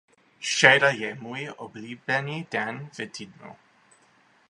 Středa je můj oblíbený den v týdnu.